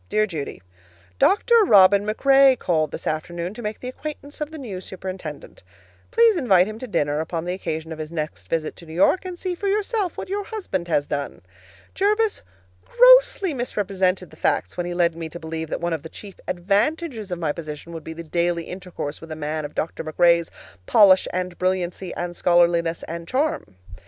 Dear Judy: Dr. Robin MacRae called this afternoon to make the acquaintance of the new superintendent. Please invite him to dinner upon the occasion of his next visit to New York, and see for yourself what your husband has done. Jervis grossly misrepresented the facts when he led me to believe that one of the chief advantages of my position would be the daily intercourse with a man of Dr. MacRae's polish and brilliancy and scholarliness and charm.